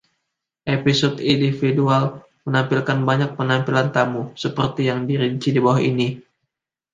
Episode individual menampilkan banyak penampil tamu, seperti yang dirinci di bawah ini.